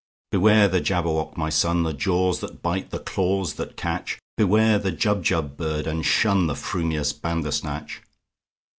"Beware the Jabberwock, my son! The jaws that bite, the claws that catch! Beware the Jubjub bird, and shunThe frumious Bandersnatch!"